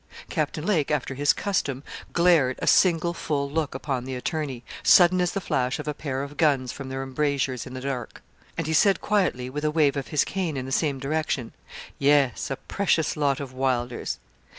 Captain Lake, after his custom, glared a single full look upon the attorney, sudden as the flash of a pair of guns from their embrasures in the dark; and he said quietly, with a wave of his cane in the same direction 'Yes, a precious lot of Wylders.'